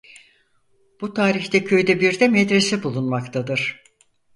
Bu tarihte köyde bir de medrese bulunmaktadır.